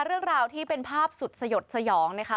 เรื่องราวที่เป็นภาพสุดสยดสยองนะคะ